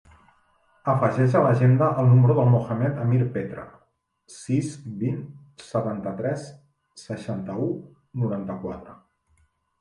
Afegeix a l'agenda el número del Mohamed amir Petre: sis, vint, setanta-tres, seixanta-u, noranta-quatre.